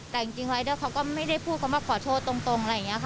แต่จริงรายเดอร์เขาก็ไม่ได้พูดเขามาขอโทษตรงอะไรอย่างนี้ค่ะ